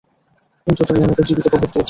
কিন্তু তুমি আমাকে জীবিত কবর দিয়েছ।